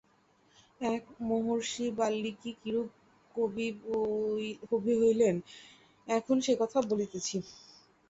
এই মহর্ষি বাল্মীকি কিরূপে কবি হইলেন এখন সেই কথা বলিতেছি।